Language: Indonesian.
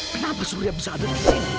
kenapa surya bisa ada disini